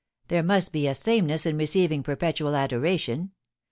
There must be a sameness in receiving perpetual adoration.